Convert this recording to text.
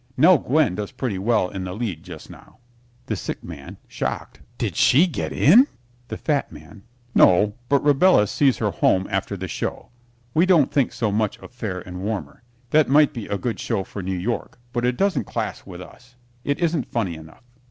Nell Gwyn does pretty well in the lead just now. THE SICK MAN (shocked) Did she get in? THE FAT MAN No, but Rabelais sees her home after the show. We don't think so much of "Fair and Warmer." That might be a good show for New York, but it doesn't class with us. It isn't funny enough.